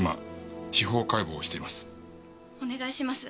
お願いします。